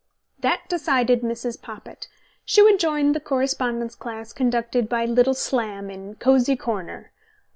That decided Mrs. Poppit. She would join the correspondence class conducted by "Little Slam", in "Cosy Corner".